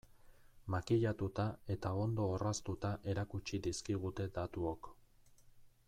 Makillatuta eta ondo orraztuta erakutsi dizkigute datuok.